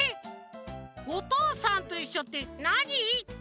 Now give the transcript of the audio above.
『おとうさんといっしょ』ってなに？」っていうあなた！